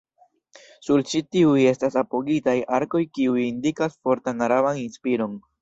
Sur ĉi tiuj estas apogitaj arkoj kiuj indikas fortan araban inspiron.